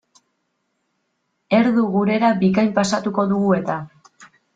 Erdu gurera bikain pasatuko dugu eta.